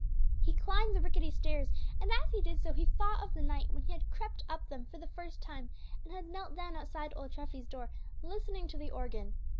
He climbed the rickety stairs, and as he did so he thought of the night when he had crept up them for the first time, and had knelt down outside old Treffy's door, listening to the organ.